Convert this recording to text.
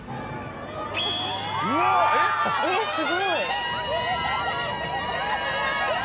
えっすごい！